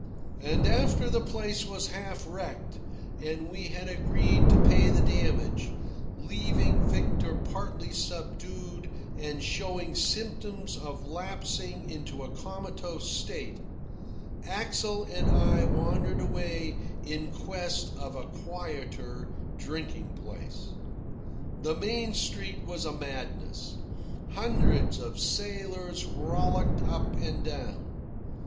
And after the place was half wrecked, and we had agreed to pay the damage, leaving Victor partly subdued and showing symptoms of lapsing into a comatose state, Axel and I wandered away in quest of a quieter drinking place. The main street was a madness. Hundreds of sailors rollicked up and down.